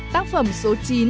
tác phẩm số chín